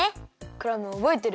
クラムおぼえてる？